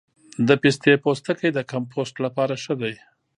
د پستې پوستکی د کمپوسټ لپاره ښه دی؟